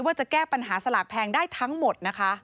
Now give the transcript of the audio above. ว่าจะแก้ปัญหาสลากแพงได้ทั้งหมดนะคะ